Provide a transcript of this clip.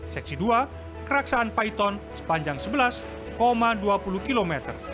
seksi dua keraksaan paiton sepanjang sebelas dua puluh km